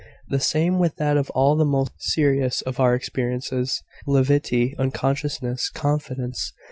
"The same with that of all the most serious of our experiences levity, unconsciousness, confidence.